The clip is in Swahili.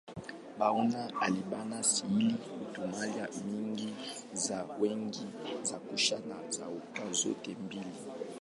Mapigano bila silaha hutumia mbinu za kupiga, za kushika na za kuunganisha zote mbili.